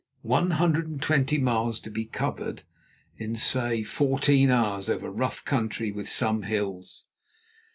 One hundred and twenty miles to be covered in, say, fourteen hours over rough country with some hills!